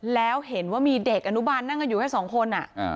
แล้วเห็นว่ามีเด็กอนุบาลนั่งกันอยู่แค่สองคน